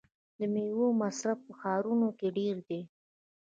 د میوو مصرف په ښارونو کې ډیر دی.